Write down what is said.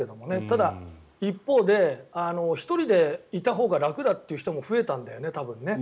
ただ、一方で１人でいたほうが楽だという人も増えたんだよね、多分ね。